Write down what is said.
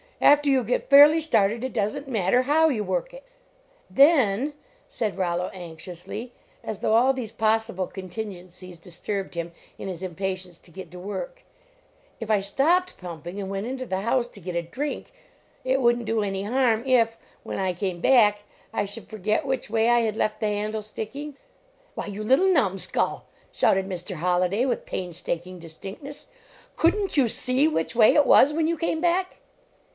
After you get fairly started it doesn t matter how you work it "Then," said Rollo anxiously, as though all these possible contingencies disturbed him in his impatience to get to work, "if I stopped pumping and went into the house to get a drink, it wouldn t do any harm if, wlu n 52 \ KMN(i TO WORK. I came back, I >hould forget which way I had left the handle sticking?" "Why, you little numbskull," shouted Mr. Holliday, with painstaking distinctness, II couldn t you see which way it was when you came back?"